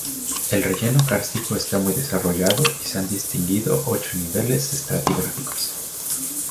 El relleno kárstico está muy desarrollado y se han distinguido ocho niveles estratigráficos.